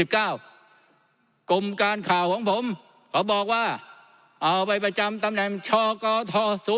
กรมการข่าวของผมเขาบอกว่าเอาไปประจำตำแหน่งชกท๐